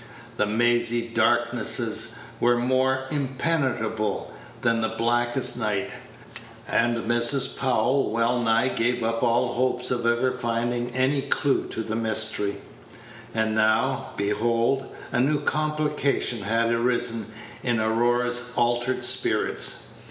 The mazy darknesses were more impenetrable than the blackest night, and Mrs. Powell wellnigh gave up all hope of ever finding any clew to the mystery. And now, behold, a new complication had arisen in Aurora's altered spirits.